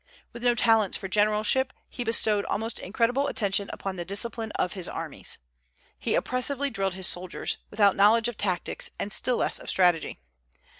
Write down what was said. With no talents for generalship, he bestowed almost incredible attention upon the discipline of his armies. He oppressively drilled his soldiers, without knowledge of tactics and still less of strategy.